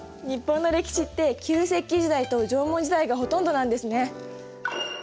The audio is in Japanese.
日本の歴史って旧石器時代と縄文時代がほとんどなんですね！